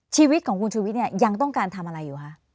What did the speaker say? ชีวิตของคุณชุวิตเนี่ยยังต้องการทำอะไรอยู่คะ